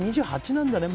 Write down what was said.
２８なんだね。